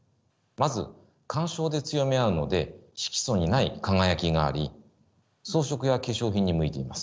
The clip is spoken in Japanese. まず干渉で強め合うので色素にない輝きがあり装飾や化粧品に向いています。